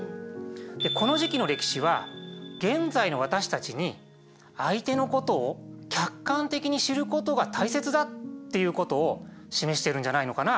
この時期の歴史は現在の私たちに相手のことを客観的に知ることが大切だっていうことを示しているんじゃないのかな。